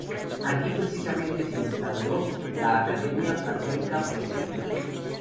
Allí precisamente se instauró la Academia Platónica Florentina.